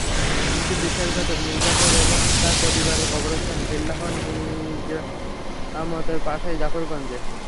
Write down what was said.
কিন্তু বিশ্বাসঘাতক মীরজাফর এবং তাঁর পরিবারের কবরস্থান কিল্লাহ নিজামতের পাশেই, জাফরগঞ্জে।